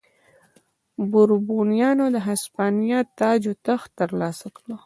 بوروبونیانو د هسپانیا تاج و تخت ترلاسه کړ.